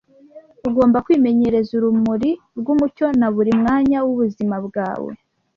Ugomba kwimenyereza urumuri rwumucyo na buri mwanya wubuzima bwawe.